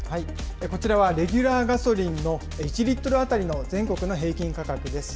こちらはレギュラーガソリンの１リットル当たりの全国の平均価格です。